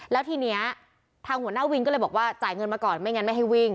แล้วทีนี้ทางหัวหน้าวินก็เลยบอกว่าจ่ายเงินมาก่อนไม่งั้นไม่ให้วิ่ง